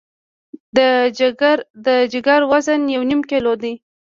د جګر وزن یو نیم کیلو دی.